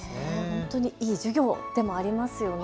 本当にいい授業でもありますよね。